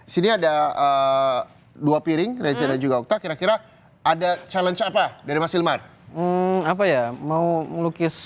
sini ada dua piring reza dan juga okta kira kira ada challenge apa dari mas hilmar apa ya mau melukis